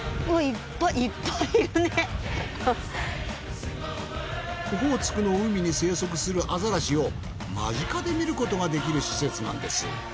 オホーツクの海に生息するアザラシを間近で見ることができる施設なんです。